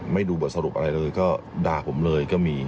ดูบทสรุปอะไรเลยก็ด่าผมเลยก็มี